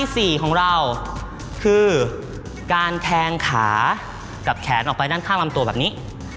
สี่ของเราคือการแทงขากับแขนออกไปด้านข้างลำตัวแบบนี้